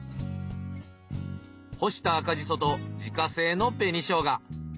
干した赤じそと自家製の紅ショウガ。